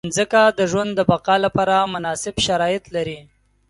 مځکه د ژوند د بقا لپاره مناسب شرایط لري.